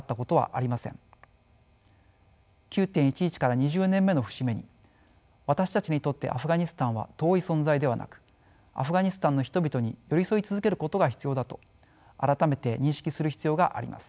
９．１１から２０年目の節目に私たちにとってアフガニスタンは遠い存在ではなくアフガニスタンの人々に寄り添い続けることが必要だと改めて認識する必要があります。